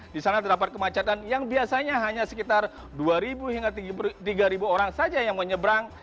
di sana terdapat kemacetan yang biasanya hanya sekitar dua hingga tiga orang saja yang menyeberang